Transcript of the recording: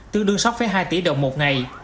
tương đương sáu hai tỷ đồng một ngày